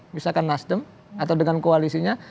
misalkan nasdem atau dengan koalisinya